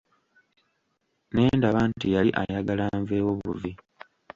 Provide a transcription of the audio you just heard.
Ne ndaba nti yali ayagala nveewo buvi.